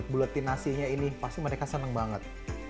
buletin nasinya ini pasti mereka senang banget